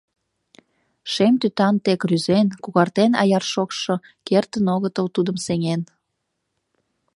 Шем тӱтан тек рӱзен, когартен аяр шокшо Кертын огытыл тудым сеҥен.